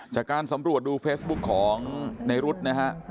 จากการสำรวจดูเฟซบุ๊คของในรุ๊ดนะฮะ